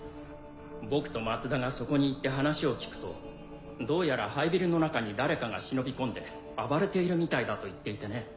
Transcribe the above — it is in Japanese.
僕と松田がそこに行って話を聞くとどうやら廃ビルの中に誰かが忍び込んで暴れているみたいだと言っていてね。